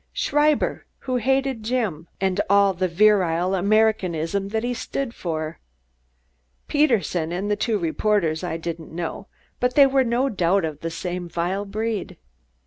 Schreiber, who hated Jim and all the virile Americanism that he stood for. Pederson and the two reporters I didn't know, but they were no doubt of the same vile breed.